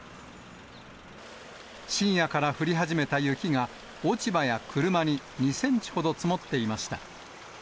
深夜から降り始めた雪が、落ち葉や車に２センチほど積もっていました。